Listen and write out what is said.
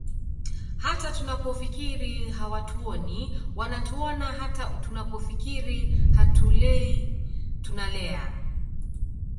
Hata tunapofikiri hawatuoni wanatuona hata tunapofikiri hatulei tunalea